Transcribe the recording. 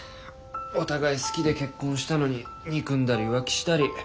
お互い好きで結婚したのに憎んだり浮気したり。